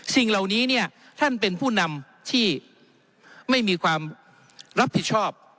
สิ่งเหล่านี้เนี่ยท่านเป็นผู้นำที่ไม่มีความรับผิดชอบ